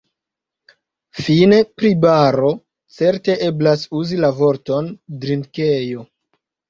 Fine pri baro: Certe eblas uzi la vorton drinkejo.